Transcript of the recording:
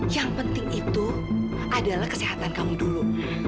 yang penting itu adalah kesehatan kami dulu